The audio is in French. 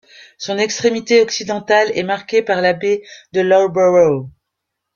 Son extrémité occidentale est marquée par la baie de Loughborough.